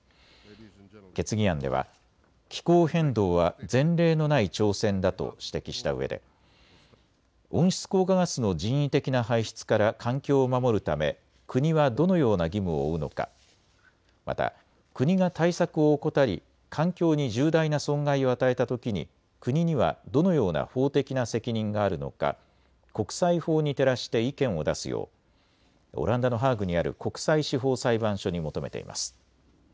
決議案では気候変動は前例のない挑戦だと指摘したうえで温室効果ガスの人為的な排出から環境を守るため国はどのような義務を負うのか、また国が対策を怠り環境に重大な損害を与えたときに国にはどのような法的な責任があるのか国際法に照らして意見を出すようオランダのハーグにある国際司法裁判所に求めています。